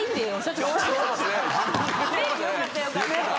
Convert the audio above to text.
よかったよかった。